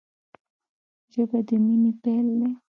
ژبه د مینې پیل دی